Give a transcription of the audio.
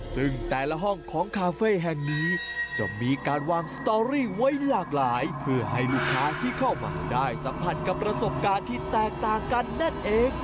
ซึ่งแต่ละห้องของคาเฟ่แห่งนี้จะมีการวางสตอรี่ไว้หลากหลายเพื่อให้ลูกค้าที่เข้ามาได้สัมผัสกับประสบการณ์ที่แตกต่างกันนั่นเอง